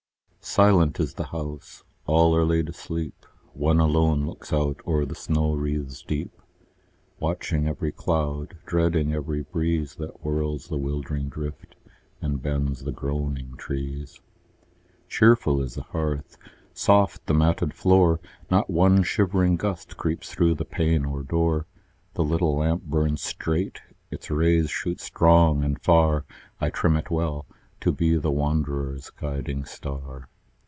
Silent is the house: all are laid asleep: One alone looks out o'er the snow wreaths deep, Watching every cloud, dreading every breeze That whirls the wildering drift, and bends the groaning trees. Cheerful is the hearth, soft the matted floor; Not one shivering gust creeps through pane or door; The little lamp burns straight, its rays shoot strong and far: I trim it well, to be the wanderer's guiding star.